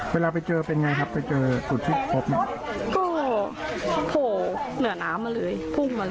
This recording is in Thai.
เวลาไปเจอเป็นไงครับไปเจอจุดที่พบไหมก็โผล่เหนือน้ำมาเลยพุ่งมาเลย